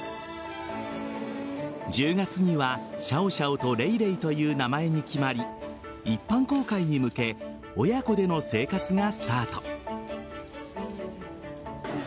１０月にはシャオシャオとレイレイという名前に決まり一般公開に向け親子での生活がスタート。